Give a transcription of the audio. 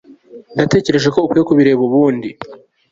ndatekereza ko ukwiye kubireba ubundi